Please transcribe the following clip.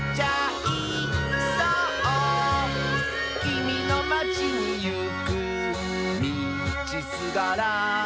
「きみのまちにいくみちすがら」